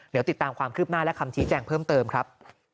เดี๋ยวติดตามความคืบหน้าและคำชี้แจงเพิ่มเติมครับ